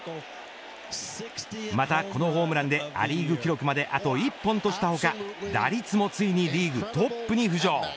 また、このホームランでア・リーグ記録まであと１本とした他、打率もついにリーグトップに浮上。